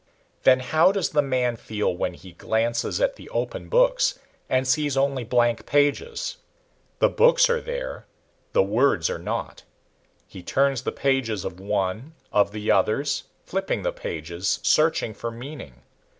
Then how does the man feel when he glances at the open books and sees only blank pages? The books are there the words are not. He turns the pages of one, of the others, flipping the pages, searching for meaning.